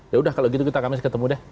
yaudah kalau gitu kita kami ketemu deh